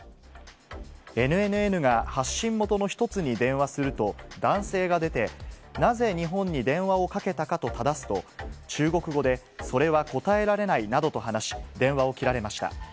ＮＮＮが発信元の一つに電話すると、男性が出て、なぜ日本に電話をかけたかとただすと、中国語で、それは答えられないなどと話し、電話を切られました。